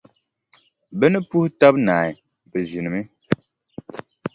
Bɛ ni puhi taba naai, bɛ ʒinimi.